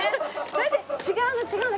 だって違うの違うの。